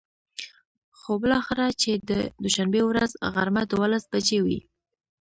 خو بلااخره چې د دوشنبې ورځ غرمه ،دولس بچې وې.